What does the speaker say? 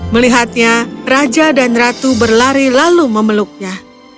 melihatnya raja dan ratu berlari lalu memeluknya